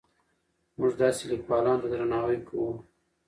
موږ داسې لیکوالانو ته درناوی کوو.